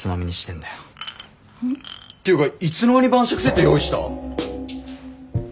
ていうかいつの間に晩酌セット用意した？